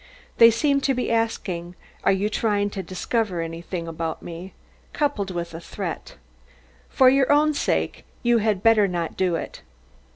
They seemed to be asking "Are you trying to discover anything about me?" coupled with a threat. "For your own sake you had better not do it."